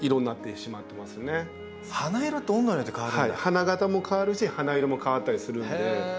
花形も変わるし花色も変わったりするんで。